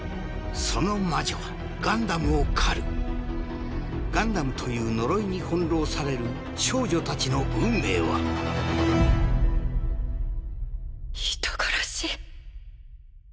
その魔女はガンダムを駆るガンダムという呪いに翻弄される少女たちの運命は人殺し。